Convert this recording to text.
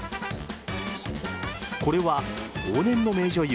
これは往年の名女優